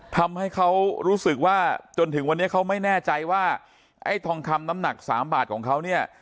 ทำให้เขารู้สึกว่าจนถึงวันนี้เขาไม่แน่ใจว่าไอ้ทองคำน้ำหนักสามบาทของเขาเนี่ย